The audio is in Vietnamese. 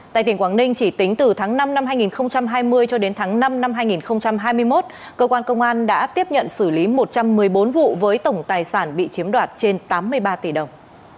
tại tỉnh quảng ninh chỉ tính từ tháng năm năm hai nghìn hai mươi cho đến tháng năm năm hai nghìn hai mươi một cơ quan công an đã tiếp nhận xử lý một trăm một mươi bốn vụ với tổng tài sản bị chiếm đoạt trên tám mươi ba tỷ đồng